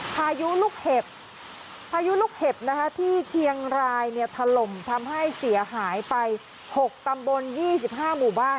พายุลูกเห็บที่เชียงรายทะลมทำให้เสียหายไป๖ตำบล๒๕หมู่บ้าน